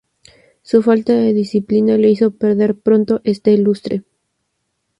Su falta de disciplina le hizo perder pronto este lustre.